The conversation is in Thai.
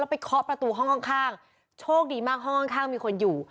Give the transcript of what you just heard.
ไปเคาะประตูห้องข้างโชคดีมากห้องข้างมีคนอยู่